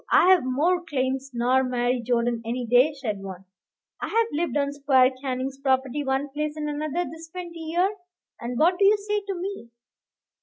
"I've more claims nor Mary Jordan any day," said one; "I've lived on Squire Canning's property, one place and another, this twenty year." "And what do you say to me?"